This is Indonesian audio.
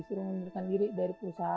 meskipun men recibir susu terakhir di tulisan